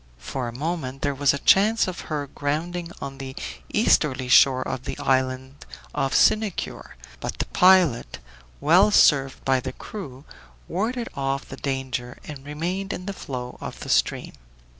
For a moment there was a chance of her grounding on the easterly shore of the island of Sinicure; but the pilot, well served by the crew, warded off the danger and remained in the flow of the stream.